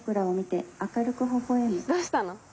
どうしたの？